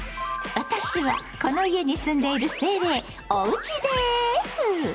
私はこの家に棲んでいる精霊「おうち」です！